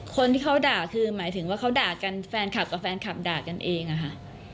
คนที่เขาด่าคือหมายถึงว่าเขาด่ากันแฟนคลับกับแฟนคลับด่ากันเองอะค่ะ